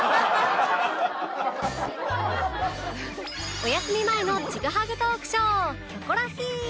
お休み前のちぐはぐトークショー